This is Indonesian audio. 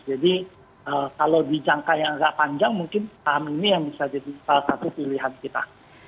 jadi kalau di jangka yang agak panjang mungkin paham ini yang bisa jadi salah satu pilihan kita